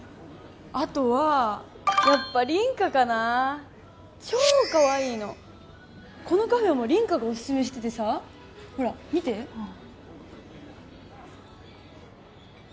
あとはやっぱ凛花かな超かわいいのこのカフェも凛花がオススメしててさほら見てああ凛